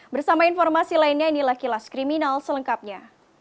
bersama informasi lainnya inilah kilas kriminal selengkapnya